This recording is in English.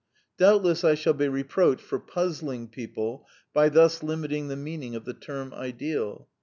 Doubtless I shall be reproached for puzzling peo ple by thus limiting the meaning of the term ideal.